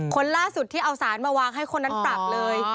คนล่าสุดที่เอาสารมาวางให้คนนั้นปรับเลย